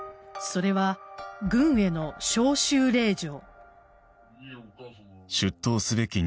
それは、軍への招集令状。